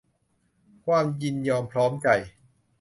ความยินยอมพร้อมใจ